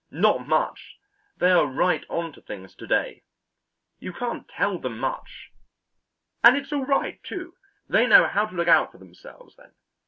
Not much; they are right on to things to day. You can't tell them much. And it's all right, too; they know how to look out for themselves, then.